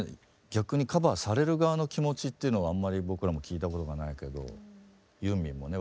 逆にカバーされる側の気持ちっていうのはあんまり僕らも聞いたことがないけどユーミンもね